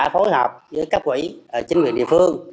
hối hợp với các nhà trường